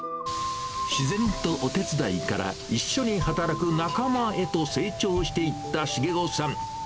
自然とお手伝いから、一緒に働く仲間へと成長していった茂夫さん。